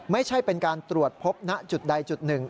ไม่ใช่เป็นการตรวจพบณจุดใดจุดหนึ่ง